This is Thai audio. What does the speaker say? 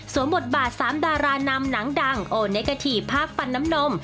บทบาท๓ดารานำหนังดังโอเนกาทีภาคปันน้ำนม